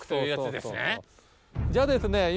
じゃあですね